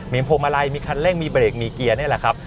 มีพวงมาลัยมีคันเร่งมีเบรกมีเกียร์นี่แหละครับ